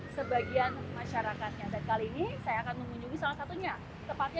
sebagian masyarakatnya dan kali ini saya akan mengunjungi salah satunya tepatnya